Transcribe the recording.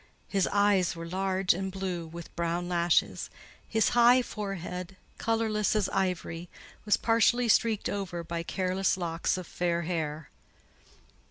His eyes were large and blue, with brown lashes; his high forehead, colourless as ivory, was partially streaked over by careless locks of fair hair.